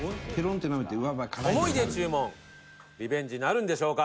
思いで注文リベンジなるんでしょうか？